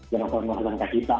jangan kuat kuat dengan kakita